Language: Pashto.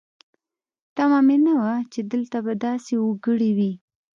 تمه مې نه وه چې دلته به داسې وګړي وي.